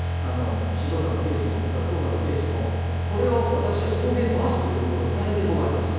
静岡のケースも、それから福岡のケースも、これを私は送迎バスと呼ぶことは、大変抵抗があります。